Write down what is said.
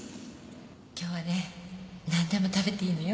今日はね何でも食べていいのよ。